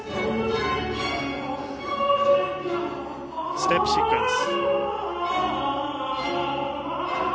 ステップシークエンス。